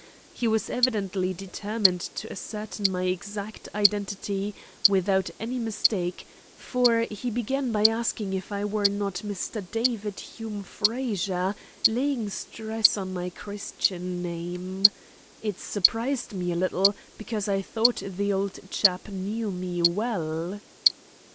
He was evidently determined to ascertain my exact identity without any mistake, for he began by asking if I were not Mr. David Hume Frazer, laying stress on my Christian name. It surprised me a little, because I thought the old chap knew me well."